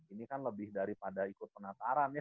ini kan lebih daripada ikut penataran ya